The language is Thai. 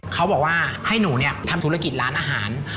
เขาบอกว่าให้หนูเนี่ยทำธุรกิจร้านอาหาร